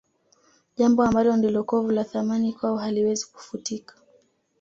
Jambo ambalo ndilo kovu la Thamani kwao haliwezi kufutika